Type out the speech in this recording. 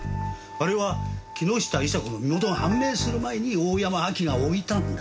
あれは木下伊沙子の身元が判明する前に大山アキが置いたんだ。